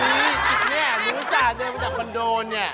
อี๊ลุ้งจ้าเดินไปจากคอนโดนี่